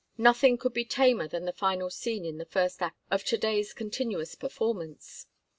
Nothing could be tamer than the final scene in the first act of to day's continuous performance.